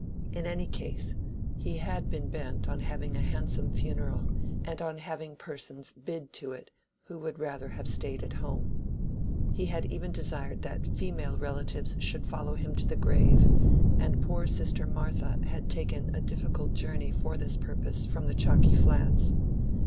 In any case, he had been bent on having a handsome funeral, and on having persons "bid" to it who would rather have stayed at home. He had even desired that female relatives should follow him to the grave, and poor sister Martha had taken a difficult journey for this purpose from the Chalky Flats.